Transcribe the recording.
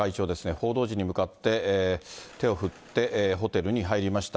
報道陣に向かって手を振って、ホテルに入りました。